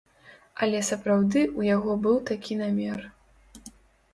Але сапраўды ў яго быў такі намер.